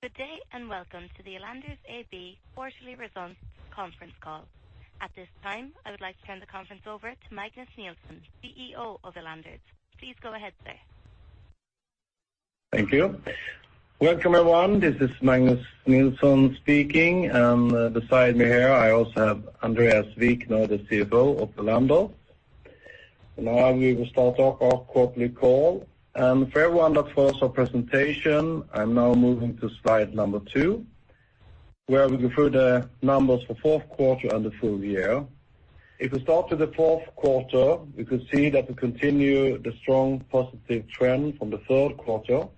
Good day, and welcome to the Elanders AB quarterly results conference call. At this time, I would like to turn the conference over to Magnus Nilsson, CEO of Elanders. Please go ahead, sir. Thank you. Welcome, everyone. This is Magnus Nilsson speaking, and beside me here, I also have Andreas Wikner, the CFO of Elanders. Now, we will start off our quarterly call, and for everyone that follows our presentation, I'm now moving to slide number 2, where we go through the numbers for fourth quarter and the full year. If we start with the fourth quarter, we could see that we continue the strong positive trend from the third quarter.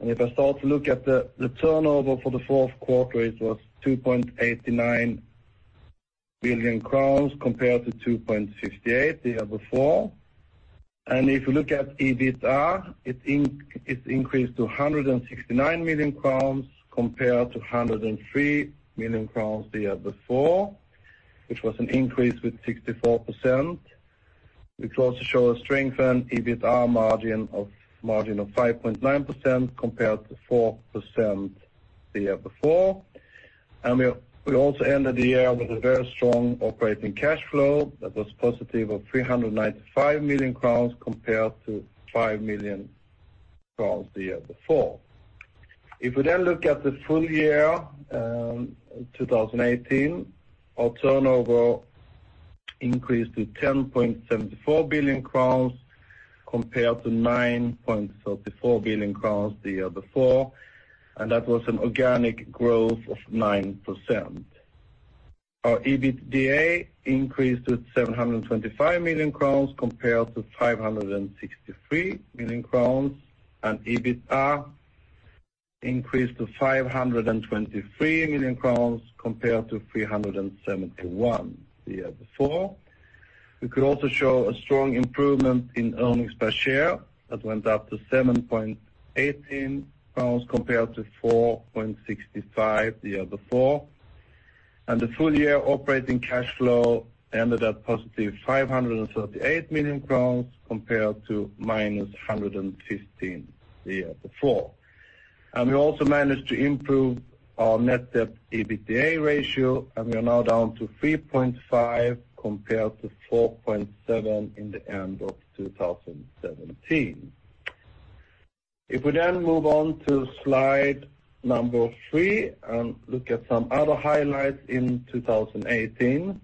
If I start to look at the turnover for the fourth quarter, it was 2.89 billion crowns, compared to 2.68 billion the year before. And if you look at EBITDA, it increased to 169 million crowns, compared to 103 million crowns the year before, which was an increase with 64%. We also show a strengthened EBITDA margin of 5.9%, compared to 4% the year before. We, we also ended the year with a very strong operating cash flow that was positive of 395 million crowns, compared to 5 million crowns the year before. If we then look at the full year, 2018, our turnover increased to 10.74 billion crowns, compared to 9.34 billion crowns the year before, and that was an organic growth of 9%. Our EBITDA increased to 725 million crowns, compared to 563 million crowns, and EBITDA increased to 523 million crowns, compared to 371 million the year before. We could also show a strong improvement in earnings per share. That went up to SEK 7.18, compared to 4.65 the year before. And the full year operating cash flow ended at 538 million crowns, compared to minus 115 million the year before. And we also managed to improve our net debt/EBITDA ratio, and we are now down to 3.5, compared to 4.7 at the end of 2017. If we then move on to slide number 3 and look at some other highlights in 2018,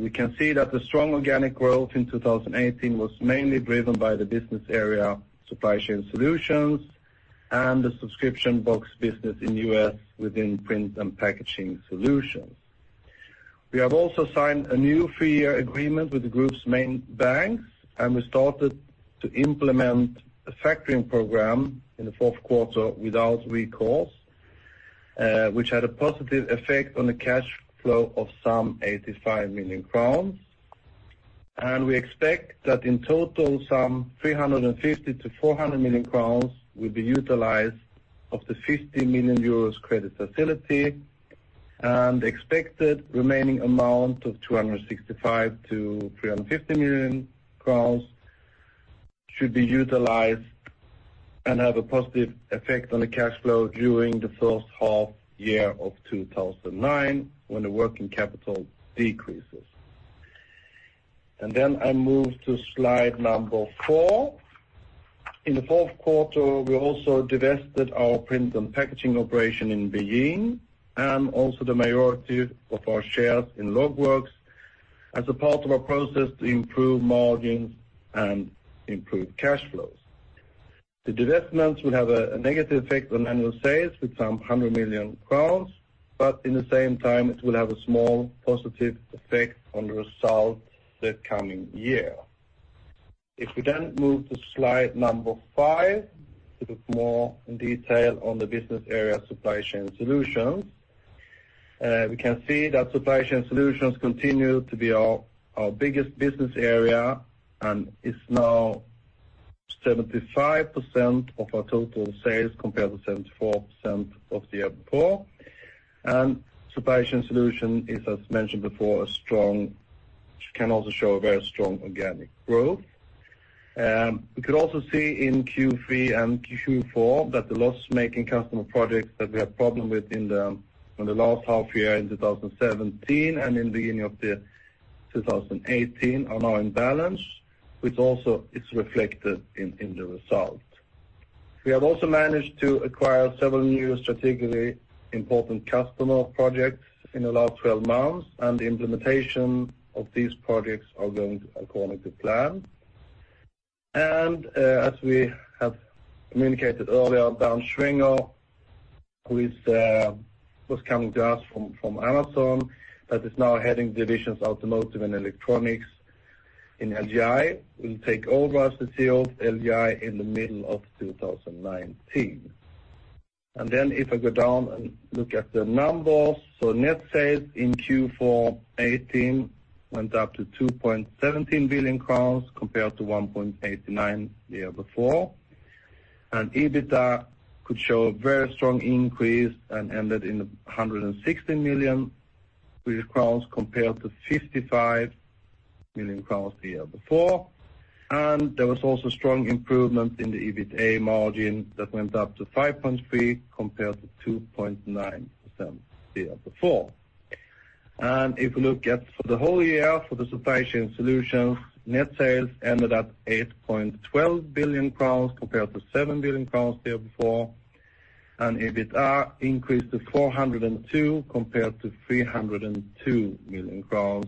we can see that the strong organic growth in 2018 was mainly driven by the business area, Supply Chain Solutions, and the subscription box business in U.S. within Print & Packaging Solutions. We have also signed a new three-year agreement with the group's main banks, and we started to implement a factoring program in the fourth quarter without recourse, which had a positive effect on the cash flow of some 85 million crowns. We expect that in total, some 350 million-400 million crowns will be utilized of the 50 million euros credit facility, and the expected remaining amount of 265 million-350 million crowns should be utilized and have a positive effect on the cash flow during the first half year of 2009, when the working capital decreases. Then I move to slide number four. In the fourth quarter, we also divested our print and packaging operation in Beijing, and also the majority of our shares in LogWorks as a part of our process to improve margins and improve cash flows. The divestments will have a negative effect on annual sales with some 100 million crowns, but in the same time, it will have a small positive effect on the results the coming year. If we then move to slide number 5, to look more in detail on the business area, Supply Chain Solutions. We can see that Supply Chain Solutions continue to be our biggest business area and is now 75% of our total sales, compared to 74% of the year before. And Supply Chain Solutions is, as mentioned before, a strong... Can also show a very strong organic growth. We could also see in Q3 and Q4 that the loss-making customer projects that we had problem with in the last half year in 2017 and in the beginning of 2018, are now in balance, which also is reflected in the result. We have also managed to acquire several new strategically important customer projects in the last 12 months, and the implementation of these projects are going according to plan. And, as we have communicated earlier, Bernd Schwenger, who was coming to us from Amazon, that is now heading divisions, Automotive and Electronics. In LGI, we'll take over as the CEO of LGI in the middle of 2019. And then, if I go down and look at the numbers, so net sales in Q4 2018 went up to 2.17 billion crowns, compared to 1.89 billion the year before. And EBITDA could show a very strong increase and ended in 160 million Swedish crowns, compared to 55 million crowns the year before, and there was also strong improvement in the EBITA margin that went up to 5.3% compared to 2.9% the year before. And if we look at for the whole year, for the Supply Chain Solutions, net sales ended at 8.12 billion crowns, compared to 7 billion crowns the year before. And EBITA increased to 402 million, compared to 302 million crowns,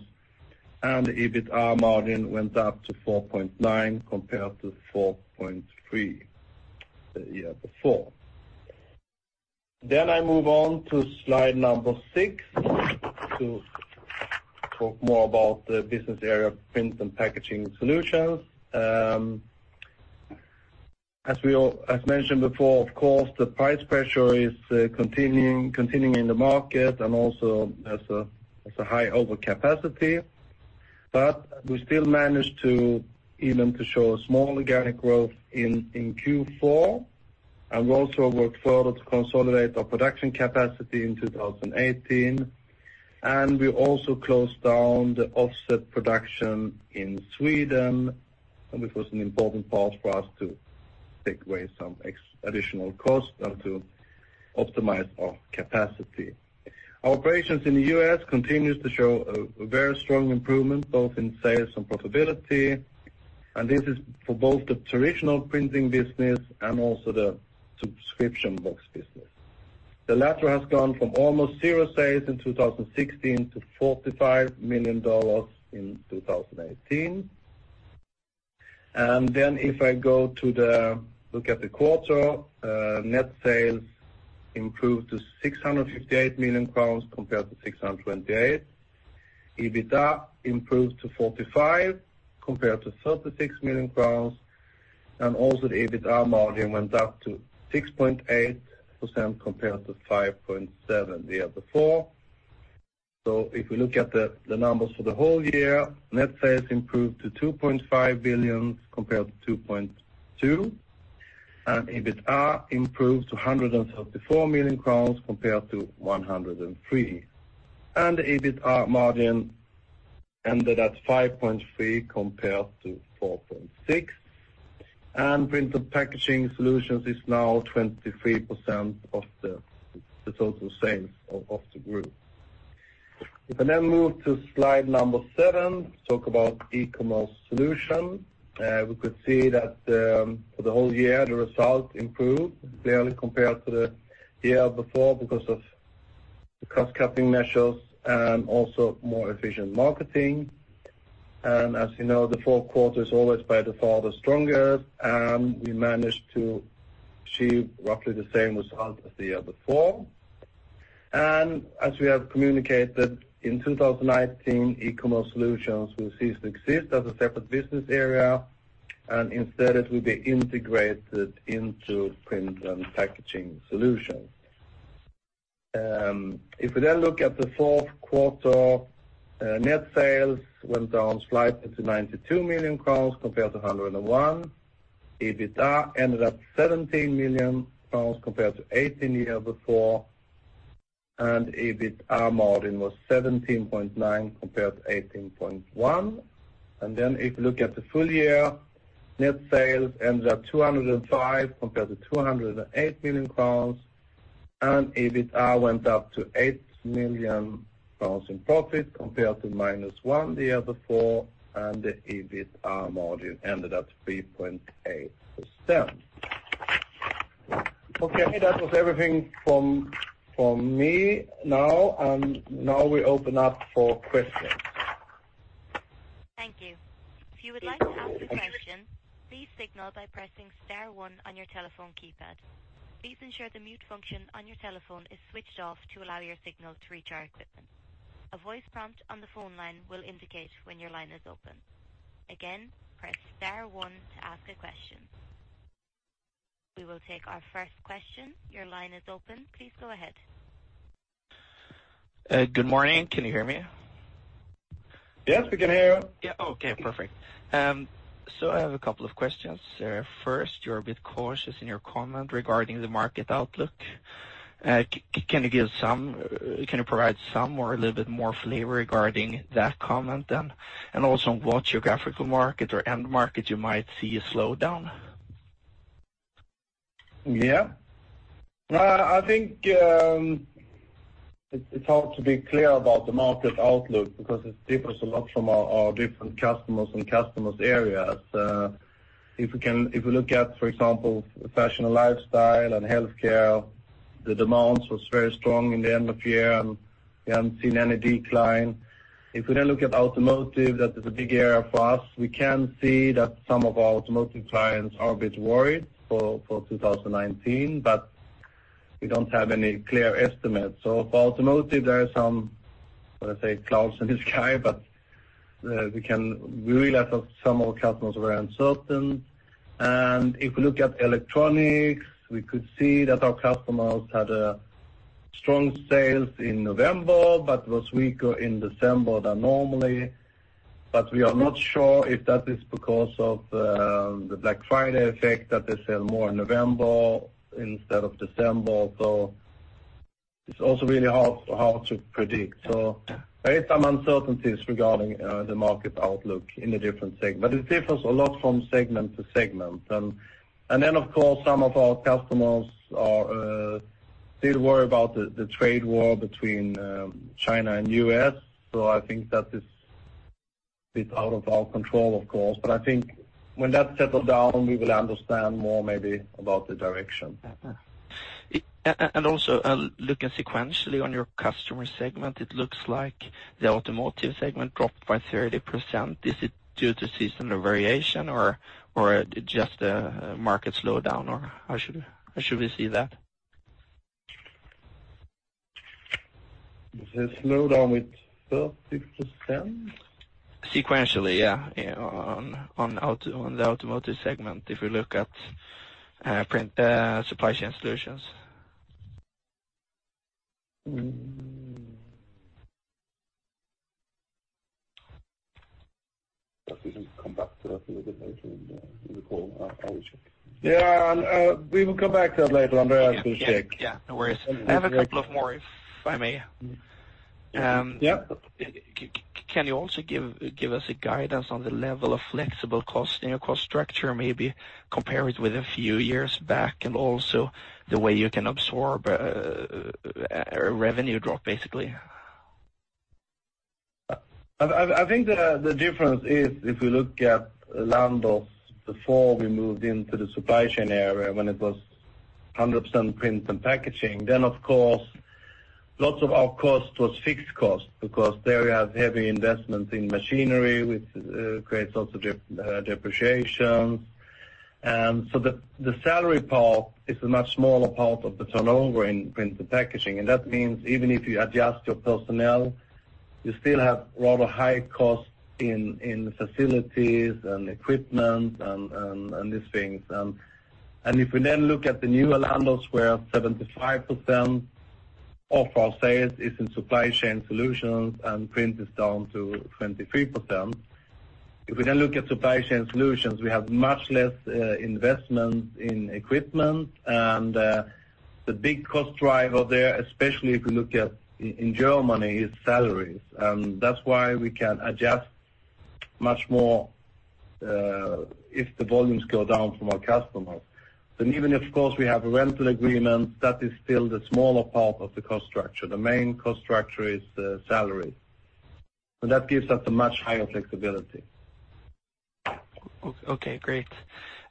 and the EBITA margin went up to 4.9%, compared to 4.3% the year before. Then I move on to slide number six, to talk more about the business area of Print and Packaging Solutions. As mentioned before, of course, the price pressure is continuing, continuing in the market, and also there's a high overcapacity. But we still managed to even show a small organic growth in Q4, and we also worked further to consolidate our production capacity in 2018. We also closed down the offset production in Sweden, which was an important part for us to take away some additional costs and to optimize our capacity. Our operations in the U.S. continues to show a very strong improvement, both in sales and profitability, and this is for both the traditional printing business and also the subscription box business. The latter has gone from almost zero sales in 2016 to $45 million in 2018. Then if I go to look at the quarter, net sales improved to 658 million crowns compared to 628 million. EBITA improved to 45 million, compared to 36 million crowns, and also the EBITA margin went up to 6.8%, compared to 5.7% the year before. If we look at the numbers for the whole year, net sales improved to 2.5 billion, compared to 2.2 billion, and EBITA improved to 134 million crowns compared to 103 million. The EBITA margin ended at 5.3% compared to 4.6%. Print and Packaging Solutions is now 23% of the total sales of the group. We can then move to slide number 7, to talk about e-Commerce Solutions. We could see that, for the whole year, the results improved clearly compared to the year before, because of the cost-cutting measures and also more efficient marketing. And as you know, the fourth quarter is always by far the strongest, and we managed to achieve roughly the same result as the year before. And as we have communicated, in 2019, e-Commerce Solutions will cease to exist as a separate business area, and instead it will be integrated into Print and Packaging Solutions. If we then look at the fourth quarter, net sales went down slightly to 92 million crowns, compared to 101 million. EBITA ended up 17 million crowns, compared to 18 million the year before, and EBITA margin was 17.9%, compared to 18.1%. Then if you look at the full year, net sales ended at 205 million, compared to 208 million crowns, and EBITA went up to 8 million crowns in profit, compared to -1 million the year before, and the EBITA margin ended at 3.8%. Okay, that was everything from me now, and now we open up for questions. Thank you. If you would like to ask a question, please signal by pressing star one on your telephone keypad. Please ensure the mute function on your telephone is switched off to allow your signal to reach our equipment. A voice prompt on the phone line will indicate when your line is open. Again, press star one to ask a question. We will take our first question. Your line is open. Please go ahead. Good morning. Can you hear me? Yes, we can hear you. Yeah. Okay, perfect. So I have a couple of questions. First, you're a bit cautious in your comment regarding the market outlook. Can you provide some or a little bit more flavor regarding that comment then? And also, on what geographical market or end market you might see a slowdown? Yeah. I think it's hard to be clear about the market outlook, because it differs a lot from our different customers and customers' areas. If we look at, for example, fashion and lifestyle and healthcare, the demands was very strong in the end of the year, and we haven't seen any decline. If we then look at automotive, that is a big area for us, we can see that some of our automotive clients are a bit worried for 2019, but we don't have any clear estimates. So for automotive, there are some, let's say, clouds in the sky, but we realize that some of our customers are uncertain. And if we look at electronics, we could see that our customers had strong sales in November, but was weaker in December than normally. But we are not sure if that is because of the Black Friday effect, that they sell more in November instead of December. It's also really hard to predict. So there is some uncertainties regarding the market outlook in the different segment, but it differs a lot from segment to segment. And then, of course, some of our customers did worry about the trade war between China and U.S. So I think that is out of our control, of course. But I think when that settles down, we will understand more maybe about the direction. And also, looking sequentially on your customer segment, it looks like the automotive segment dropped by 30%. Is it due to seasonal variation or just a market slowdown, or how should we see that? It slowed down with 30%? Sequentially, yeah, on the automotive segment, if you look at print, supply chain solutions. Mm. Yeah, and we will come back to that later on. We'll check. Yeah, no worries. I have a couple of more, if I may. Yeah. Can you also give us a guidance on the level of flexible cost in your cost structure, maybe compare it with a few years back, and also the way you can absorb a revenue drop, basically? I think the difference is if we look at Elanders, before we moved into the supply chain area, when it was 100% print and packaging, then of course, lots of our cost was fixed cost because there we have heavy investments in machinery, which creates also depreciation. And so the salary part is a much smaller part of the turnover in print and packaging, and that means even if you adjust your personnel, you still have rather high costs in facilities and equipment and these things. And if we then look at the newer Elanders, where 75% of our sales is in supply chain solutions and print is down to 23%, if we then look at supply chain solutions, we have much less investment in equipment. The big cost driver there, especially if you look at it in Germany, is salaries. That's why we can adjust much more if the volumes go down from our customers. Then even if, of course, we have a rental agreement, that is still the smaller part of the cost structure. The main cost structure is the salary, and that gives us a much higher flexibility. Okay, great.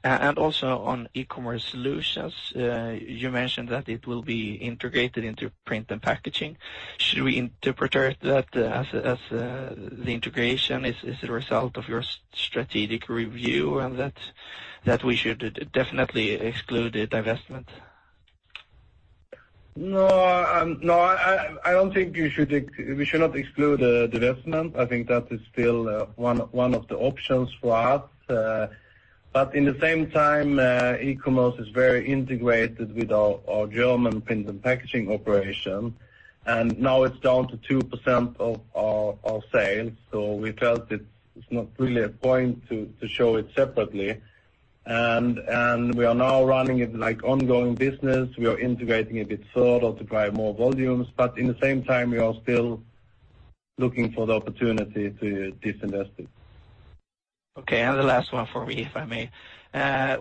And also on e-Commerce Solutions, you mentioned that it will be integrated into Print and Packaging Solutions. Should we interpret that as the integration is a result of your strategic review, and that we should definitely exclude the divestment? No, I don't think we should exclude the investment. I think that is still one of the options for us. But in the same time, e-commerce is very integrated with our German print and packaging operation, and now it's down to 2% of our sales, so we felt it's not really a point to show it separately. We are now running it like ongoing business. We are integrating a bit slower to drive more volumes, but in the same time, we are still looking for the opportunity to disinvest it. Okay, and the last one for me, if I may.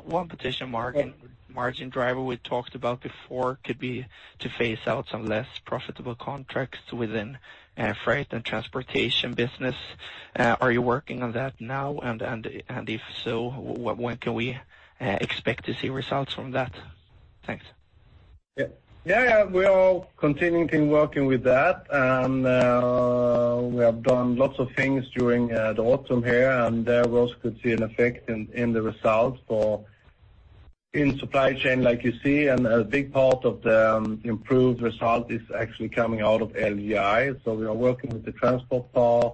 One potential margin driver we talked about before could be to phase out some less profitable contracts within freight and transportation business. Are you working on that now? And if so, when can we expect to see results from that? Thanks. Yeah. Yeah, yeah, we are continuing working with that. And we have done lots of things during the autumn here, and there we could see an effect in the results for in supply chain, like you see, and a big part of the improved result is actually coming out of LGI. So we are working with the transport part.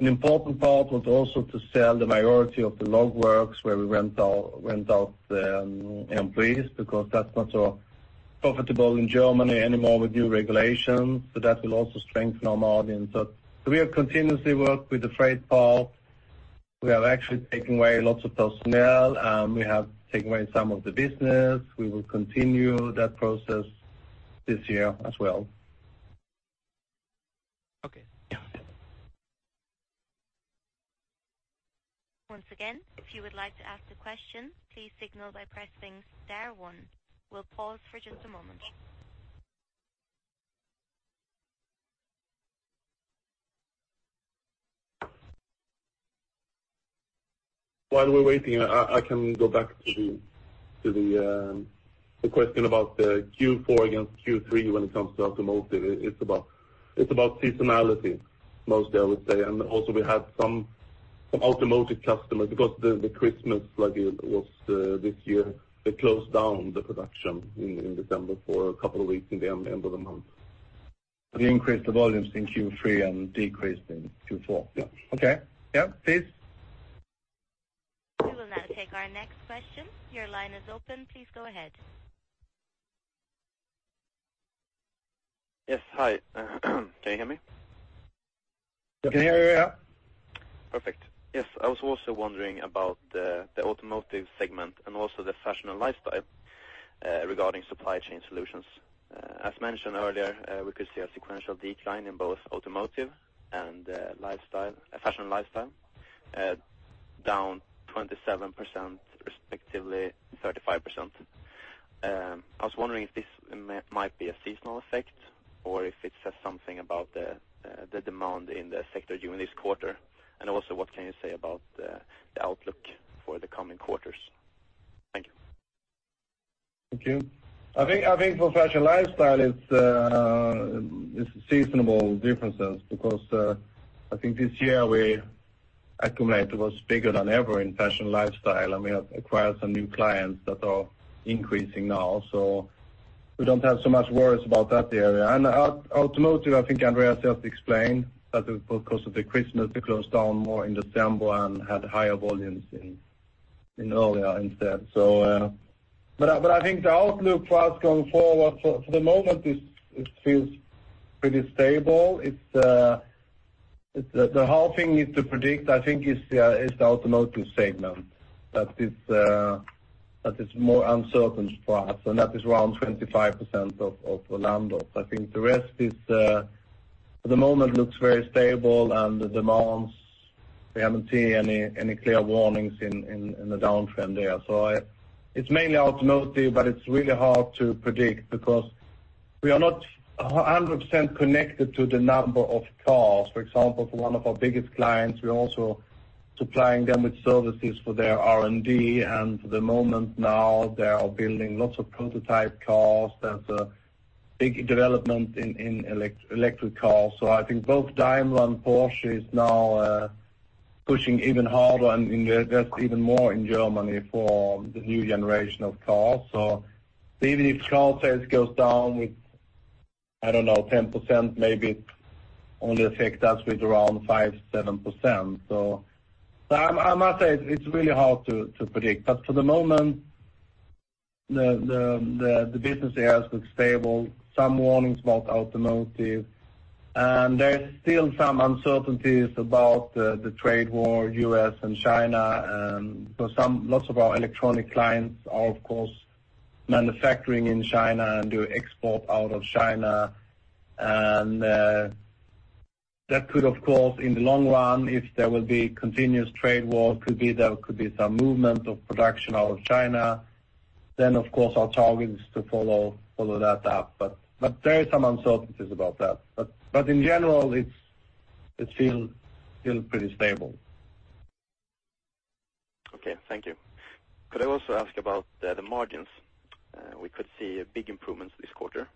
An important part was also to sell the majority of the LogWorks, where we rent out the employees, because that's not so profitable in Germany anymore with new regulations, so that will also strengthen our margin. So we have continuously worked with the freight part. We have actually taken away lots of personnel, and we have taken away some of the business. We will continue that process this year as well. Okay, yeah. Once again, if you would like to ask a question, please signal by pressing star one. We'll pause for just a moment. While we're waiting, I can go back to the question about the Q4 against Q3 when it comes to automotive. It's about seasonality, mostly, I would say. And also we had some automotive customers, because the Christmas shutdown was this year, they closed down the production in December for a couple of weeks in the end of the month. We increased the volumes in Q3 and decreased in Q4. Yeah. Okay. Yeah, please. We will now take our next question. Your line is open. Please go ahead. Yes. Hi. Can you hear me? We can hear you now. Perfect. Yes, I was also wondering about the automotive segment and also the fashion and lifestyle regarding supply chain solutions. As mentioned earlier, we could see a sequential decline in both automotive and fashion and lifestyle, down 27%, respectively 35%. I was wondering if this might be a seasonal effect or if it says something about the demand in the sector during this quarter, and also, what can you say about the outlook for the coming quarters? Thank you. Thank you.I think for fashion and lifestyle, it's, it's seasonal differences because, I think this year our accumulation was bigger than ever in fashion and lifestyle, and we have acquired some new clients that are increasing now. So we don't have so much worries about that area. And automotive, I think Andreas just explained, that because of the Christmas, we closed down more in December and had higher volumes in, in earlier instead. So... But I think the outlook for us going forward, for, for the moment, it, it feels pretty stable. It's, it's the, the whole thing we need to predict, I think, is the, is the automotive segment, that it's, that is more uncertain for us, and that is around 25% of Elanders. I think the rest is, for the moment, looks very stable and the demands, we haven't seen any clear warnings in the downtrend there. So it's mainly automotive, but it's really hard to predict because we are not 100% connected to the number of cars. For example, for one of our biggest clients, we're also supplying them with services for their R&D, and at the moment now, they are building lots of prototype cars. There's a big development in electric cars. So I think both Daimler and Porsche is now pushing even harder, and invest even more in Germany for the new generation of cars. So even if car sales goes down with, I don't know, 10%, maybe it only affect us with around 5%-7%. So, I must say it's really hard to predict, but for the moment, the business areas looks stable, some warnings about automotive, and there are still some uncertainties about the trade war, US and China. So, lots of our electronic clients are, of course, manufacturing in China and do export out of China. And, that could, of course, in the long run, if there will be continuous trade war, could be there, could be some movement of production out of China. Then, of course, our target is to follow that up, but there is some uncertainties about that. But in general, it's, it feels still pretty stable. Okay. Thank you. Could I also ask about the margins? We could see a big improvements this quarter,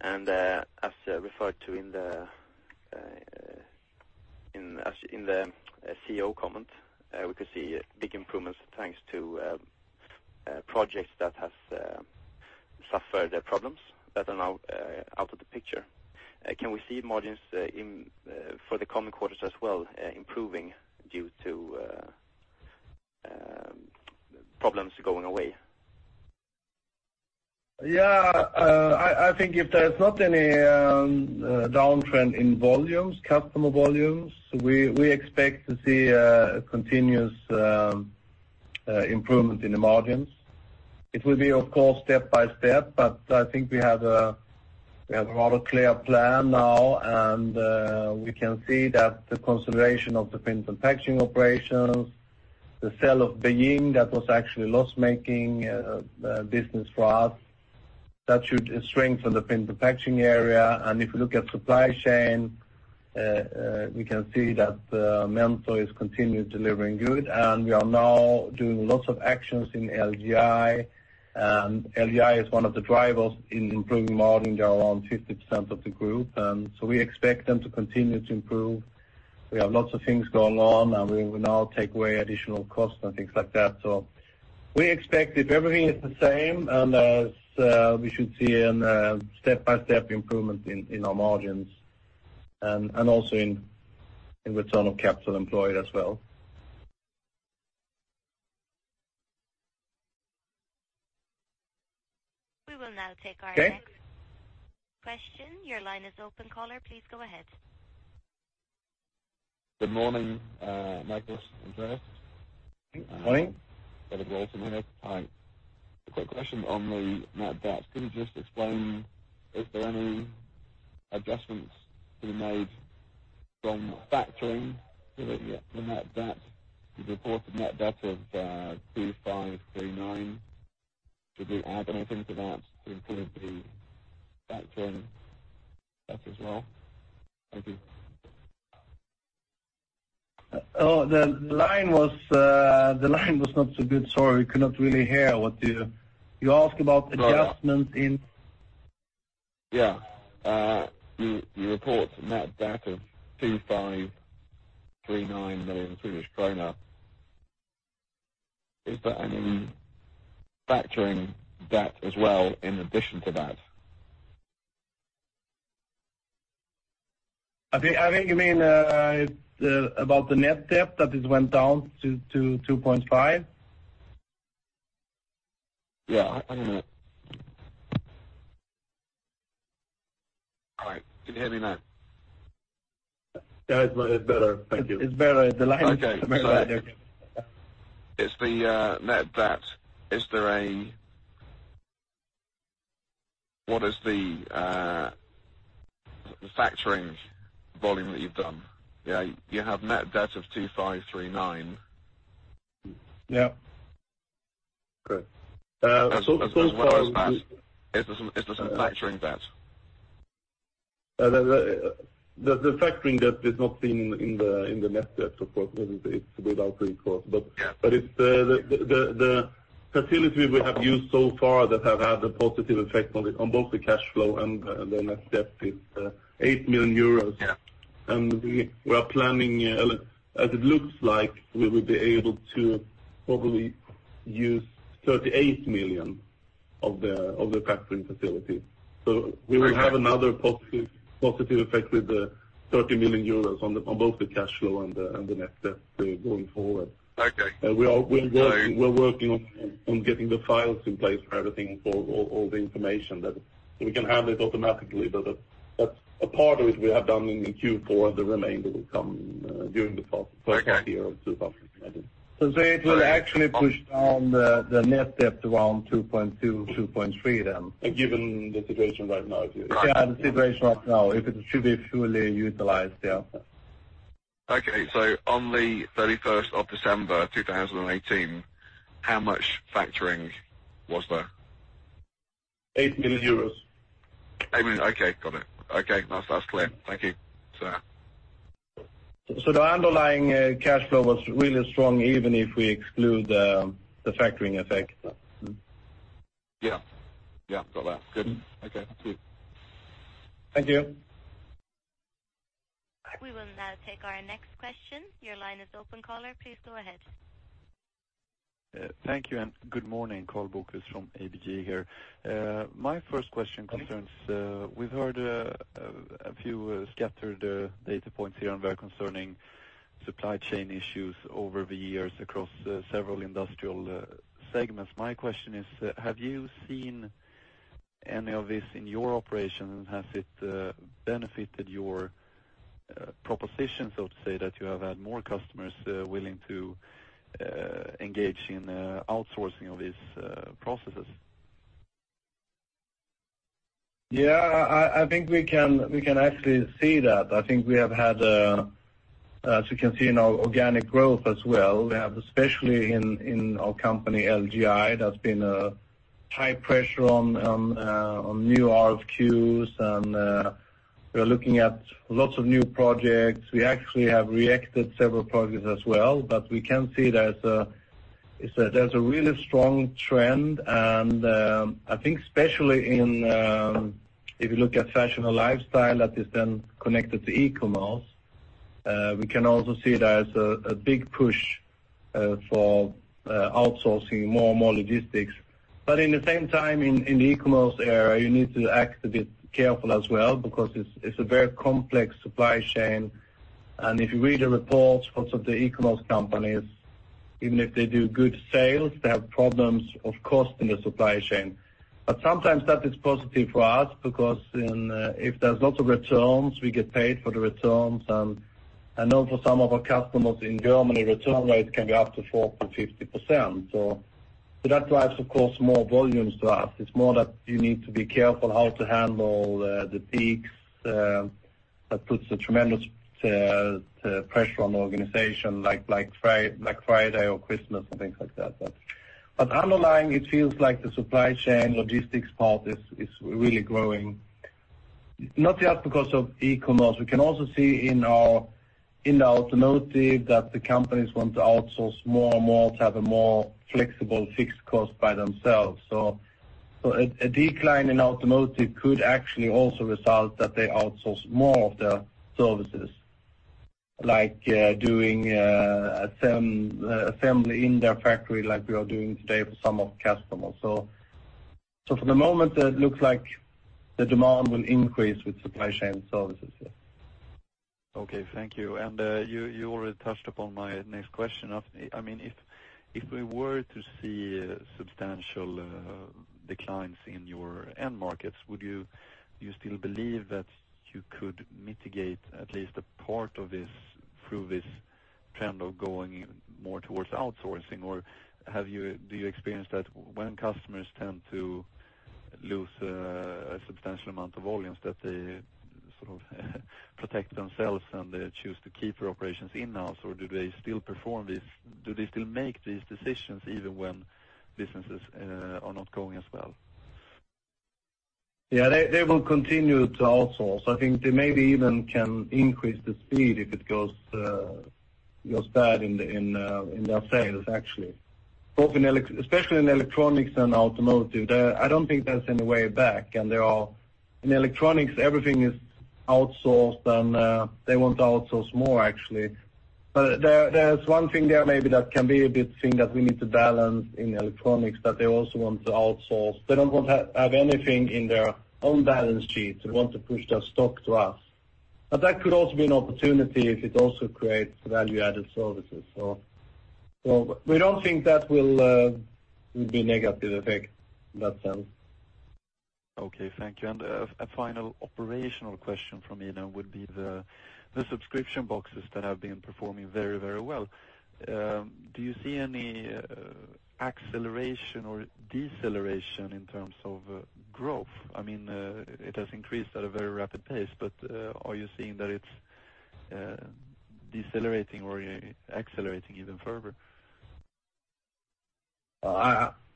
and as referred to in the CEO comment, we could see big improvements, thanks to projects that has suffered problems that are now out of the picture. Can we see margins in for the coming quarters as well improving due to problems going away? Yeah, I think if there is not any downtrend in volumes, customer volumes, we expect to see a continuous improvement in the margins. It will be, of course, step by step, but I think we have a lot of clear plan now, and we can see that the consolidation of the print and packaging operations, the sale of Beijing, that was actually loss-making business for us. That should strengthen the print and packaging area, and if you look at supply chain, we can see that Mentor is continued delivering good, and we are now doing lots of actions in LGI. And LGI is one of the drivers in improving margin. They are around 50% of the group, and so we expect them to continue to improve. We have lots of things going on, and we will now take away additional costs and things like that. So we expect if everything is the same, and as we should see a step-by-step improvement in our margins, and also in return on capital employed as well. We will now take our- Okay. Next question. Your line is open, caller. Please go ahead. Good morning, Magnus and Andreas. Good morning. Have a great minute. Hi. A quick question on the net debt. Could you just explain, is there any adjustments to be made from factoring to the net debt? You reported net debt of 2.539 million. Should we add anything to that to include the factoring debt as well? Thank you. The line was not so good, sorry. I could not really hear what you... You asked about- Sorry. -adjustments in? Yeah. You report net debt of 2.539 million Swedish kronor. Is there any factoring debt as well in addition to that? I think, I think you mean about the net debt, that it went down to 2.5? Yeah, hang on a minute. All right, can you hear me now? Yeah, it's much better. Thank you. It's better, the line is better. Okay. It's the net debt. Is there a... What is the factoring volume that you've done? Yeah, you have net debt of 2.539 million. Yeah. So far- Is this a factoring debt? The factoring debt is not seen in the net debt, of course, it's without any cost. Yeah. It's the facility we have used so far that have had a positive effect on both the cash flow and the net debt is 8 million euros. Yeah. We are planning, as it looks like, we will be able to probably use 38 million of the factoring facility. Okay. We will have another positive, positive effect with the 30 million euros on the, on both the cash flow and the, and the net debt going forward. Okay. We're working on getting the files in place for everything, for all the information that we can handle it automatically. But a part of it, we have done in Q4, the remainder will come during the first- Okay quarter of 2020. So it will actually push down the net debt around 2.2-2.3, then? Given the situation right now, yes. Yeah, the situation right now, if it should be fully utilized, yeah. Okay. So on the 31 of December 2018, how much factoring was there? 8 million euros. 8 million. Okay, got it. Okay, now that's clear. Thank you, sir. So the underlying cash flow was really strong, even if we exclude the factoring effect. Yeah. Yeah, got that. Good. Okay, thank you. Thank you. We will now take our next question. Your line is open, caller. Please go ahead. Thank you and good morning, Karl Bokvist from ABG here. My first question concerns... We've heard a few scattered data points here and there, concerning supply chain issues over the years across several industrial segments. My question is, have you seen any of this in your operation, and has it benefited your proposition, so to say, that you have had more customers willing to engage in outsourcing of these processes? Yeah, I think we can actually see that. I think we have had a, as you can see in our organic growth as well, we have, especially in our company, LGI, there's been high pressure on new RFQs, and we are looking at lots of new projects. We actually have reacted several projects as well, but we can see that is that there's a really strong trend, and I think especially in, if you look at fashion or lifestyle that is then connected to e-commerce, we can also see that there's a big push for outsourcing more and more logistics. But in the same time, in the e-commerce era, you need to act a bit careful as well, because it's a very complex supply chain. And if you read the reports, lots of the e-commerce companies, even if they do good sales, they have problems, of course, in the supply chain. But sometimes that is positive for us, because then, if there's lots of returns, we get paid for the returns. And, I know for some of our customers in Germany, return rates can be up to 40%-50%. So, so that drives, of course, more volumes to us. It's more that you need to be careful how to handle the peaks, that puts a tremendous pressure on the organization, like Friday or Christmas and things like that. But, but underlying, it feels like the supply chain logistics part is really growing. Not just because of e-commerce, we can also see in our, in our automotive that the companies want to outsource more and more to have a more flexible fixed cost by themselves. So, so a, a decline in automotive could actually also result that they outsource more of their services, like, doing, assembly in their factory, like we are doing today for some of the customers. So, so for the moment, it looks like the demand will increase with supply chain services, yeah. Okay, thank you. And, you already touched upon my next question. I mean, if we were to see substantial declines in your end markets, would you still believe that you could mitigate at least a part of this through this trend of going more towards outsourcing? Or do you experience that when customers tend to lose a substantial amount of volumes, that they sort of protect themselves and they choose to keep their operations in-house, or do they still make these decisions even when businesses are not going as well? Yeah, they, they will continue to outsource. I think they maybe even can increase the speed if it goes, goes bad in the, in, in their sales, actually. Both in, especially in electronics and automotive, there, I don't think there's any way back, and there are... In electronics, everything is outsourced, and, they want to outsource more, actually. But there, there's one thing there, maybe, that can be a bit thing, that we need to balance in electronics, that they also want to outsource. They don't want to have, have anything in their own balance sheet. They want to push their stock to us. But that could also be an opportunity if it also creates value-added services. So, we don't think that will, will be a negative effect in that sense. Okay, thank you. And a final operational question from me then would be the subscription boxes that have been performing very, very well. Do you see any acceleration or deceleration in terms of growth? I mean, it has increased at a very rapid pace, but are you seeing that it's decelerating or accelerating even further?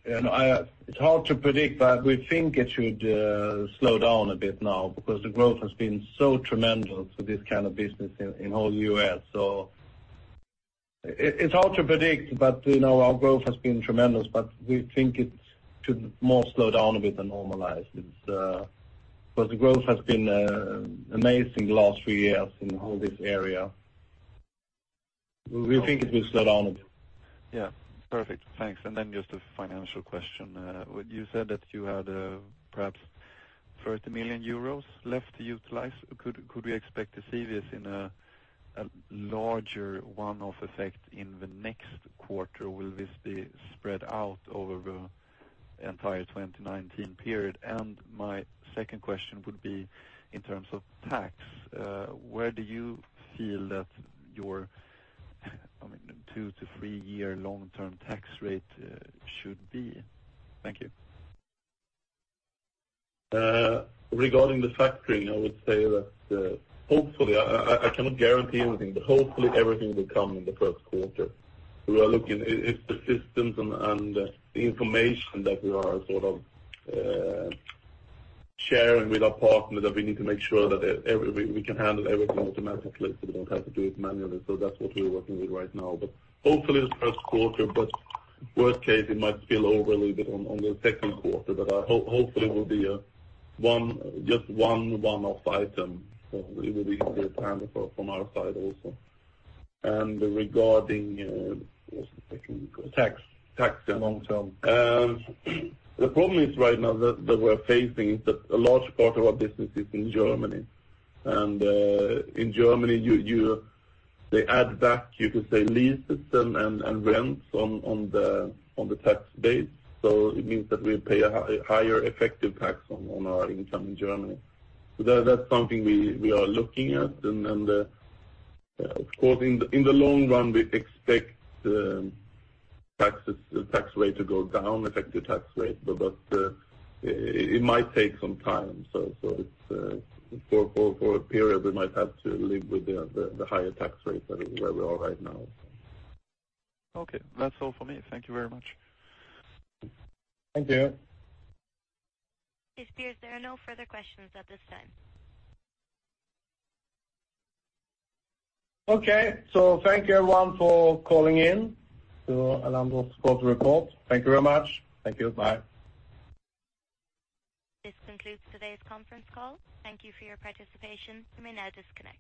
It's hard to predict, but we think it should slow down a bit now, because the growth has been so tremendous for this kind of business in all U.S. So it's hard to predict, but, you know, our growth has been tremendous, but we think it should more slow down a bit and normalize. It's because the growth has been amazing the last three years in all this area. We think it will slow down a bit. Yeah, perfect. Thanks. Then just a financial question. You said that you had perhaps 30 million euros left to utilize. Could we expect to see this in a larger one-off effect in the next quarter? Or will this be spread out over the entire 2019 period? My second question would be in terms of tax, where do you feel that your, I mean, two- to three-year long-term tax rate should be? Thank you. Regarding the factoring, I would say that, hopefully, I cannot guarantee anything, but hopefully everything will come in the first quarter. We are looking. It's the systems and the information that we are sort of sharing with our partner, that we need to make sure that we can handle everything automatically, so we don't have to do it manually. So that's what we're working with right now. But hopefully, the first quarter, but worst case, it might spill over a little bit on the second quarter, but hopefully it will be a one, just one one-off item. So it will be easier to handle from our side also. And regarding, what's the second? Tax. Tax. Long term. The problem is right now that we're facing is that a large part of our business is in Germany. And in Germany, they add back, you could say, lease system and rents on the tax base. So it means that we pay a higher effective tax on our income in Germany. So that's something we are looking at, and of course, in the long run, we expect the taxes, the tax rate to go down, effective tax rate, but it might take some time. So it's for a period, we might have to live with the higher tax rate than where we are right now. Okay, that's all for me. Thank you very much. Thank you. Yes, there are no further questions at this time. Okay, so thank you everyone for calling in to Elanders' quarter report. Thank you very much. Thank you. Bye. This concludes today's conference call. Thank you for your participation. You may now disconnect.